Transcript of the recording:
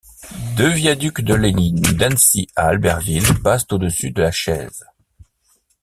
Deux viaducs de la ligne d'Annecy à Albertville passe au-dessus de la Chaise.